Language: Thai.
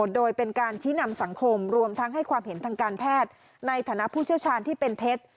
โดยเป็นการชี้นำสังคมรวมทั้งให้ความเห็นทางการแพทย์ในฐานะผู้เชี่ยวชาญที่เป็นเท็จ